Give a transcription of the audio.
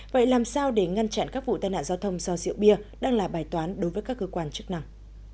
vậy làm sao để ngăn chặn các vụ tai nạn giao thông do rượu bia đang là bài toán đối với các cơ quan chức năng